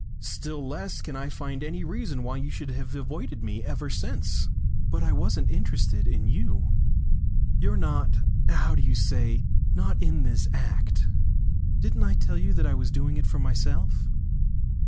Still less can I find any reason why you should have avoided me ever since?" "But I wasn't interested in you. You're not what do you say? not on in this act. Didn't I tell you that I was doing it for myself?"